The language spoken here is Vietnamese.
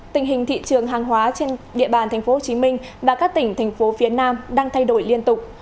tình hình thị trường hàng hóa trên địa bàn tp hcm và các tỉnh thành phố phía nam đang thay đổi liên tục